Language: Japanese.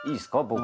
僕。